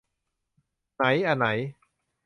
ไหนอะไหน